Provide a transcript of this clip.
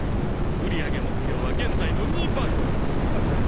売り上げ目標は現在の２倍！えっ！？